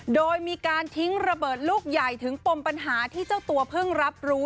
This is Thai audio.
โดยมีการทิ้งระเบิดลูกใหญ่ถึงปมปัญหาที่เจ้าตัวเพิ่งรับรู้